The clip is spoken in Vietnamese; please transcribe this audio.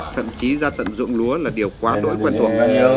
thậm chí ra tận dụng lúa là điều quá đối quen thuộc